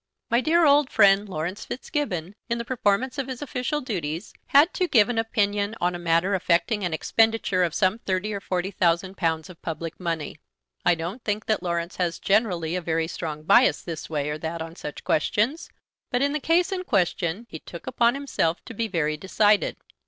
My dear old friend Laurence Fitzgibbon, in the performance of his official duties, had to give an opinion on a matter affecting an expenditure of some thirty or forty thousand pounds of public money. I don't think that Laurence has generally a very strong bias this way or that on such questions, but in the case in question he took upon himself to be very decided.